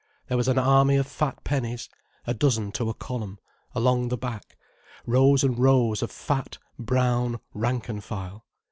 There was an army of fat pennies, a dozen to a column, along the back, rows and rows of fat brown rank and file.